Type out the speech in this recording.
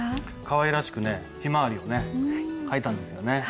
かわいらしくひまわりを書いたんですよね。